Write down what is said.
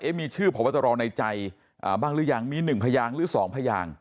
เอ๊ะมีชื่อพวัตรรองในใจอ่าบ้างหรือยังมีหนึ่งพยางหรือสองพยาง